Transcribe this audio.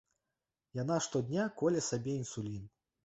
Яна штодня коле сабе інсулін.